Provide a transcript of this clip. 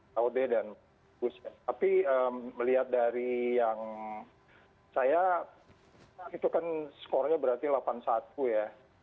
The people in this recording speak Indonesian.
tapi melihat dari yang saya itu kan skornya berarti delapan satu ya